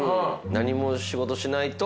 何も仕事しないと。